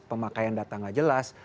pemakaian data tidak jelas